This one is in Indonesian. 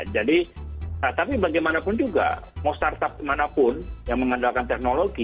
jadi tapi bagaimanapun juga mau start up manapun yang mengandalkan teknologi